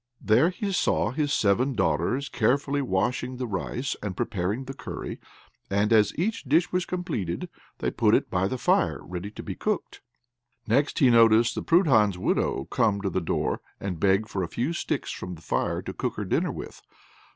There he saw his seven daughters carefully washing the rice and preparing the curry, and as each dish was completed, they put it by the fire ready to be cooked. Next he noticed the Prudhan's widow come to the door, and beg for a few sticks from the fire to cook her dinner with.